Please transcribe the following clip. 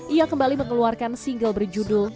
ia kembali mengeluarkan single berjudul